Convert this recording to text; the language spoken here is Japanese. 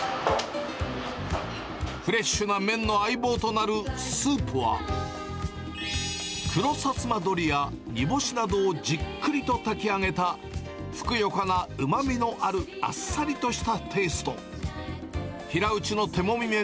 フレッシュな麺の相棒となるスープは、黒薩摩鶏や、煮干しなどをじっくりと炊き上げた、ふくよかなうまみのあるあっさりとしたテースト。